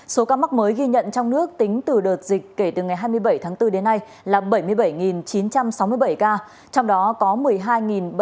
số ca mắc mới ghi nhận trong nước tính từ đợt dịch kể từ ngày hai mươi bảy tháng bốn đến nay là bảy mươi bảy chín trăm sáu mươi bảy ca trong đó có một mươi hai bảy trăm sáu mươi hai bệnh nhân đã được công bố khỏi bệnh